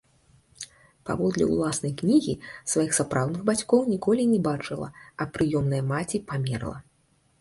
Паводле ўласнай кнігі, сваіх сапраўдных бацькоў ніколі не бачыла, а прыёмная маці памерла.